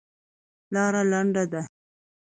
لاره لنډه ده.